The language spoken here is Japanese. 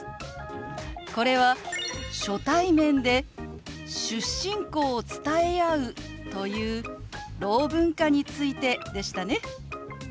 これは初対面で出身校を伝え合うというろう文化についてでしたね。